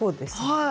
はい。